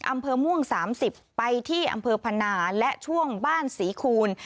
อำเภอม่วง๓๐ไปที่อำเภอพนาและช่วงบ้านศรีคูณ